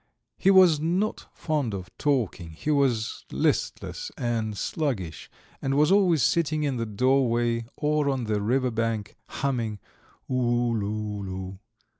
He was not fond of talking, he was listless and sluggish, and was always sitting in the doorway or on the river bank, humming "oo loo loo."